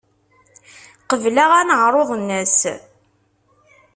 Qebleɣ aneɛruḍ-nnes.